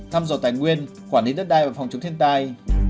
thăm dò tài nguyên quản lý đất đai và phòng chống thiên tai